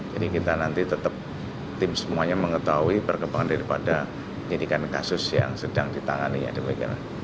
jadi kita nanti tetap tim semuanya mengetahui perkembangan daripada nyidikan kasus yang sedang ditangani ya demikianlah